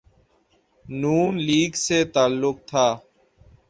نون league سے تعلق تھا۔